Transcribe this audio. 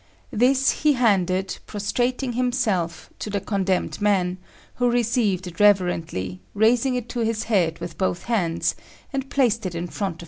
This he handed, prostrating himself, to the condemned man, who received it reverently, raising it to his head with both hands, and placed it in front of himself.